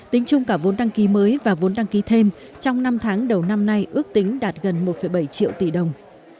tính chung cả vốn đăng ký mới và vốn đăng ký thêm trong năm tháng đầu năm nay ước tính đạt gần một bảy triệu tỷ đồng